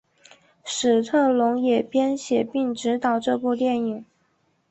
史特龙也编写并执导这部影片。